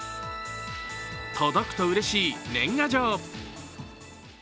届くとうれしい年賀状。